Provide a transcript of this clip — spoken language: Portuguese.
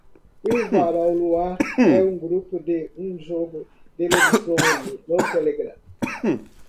Uivar ao Luar é um grupo de um jogo de lobisomem no Telegram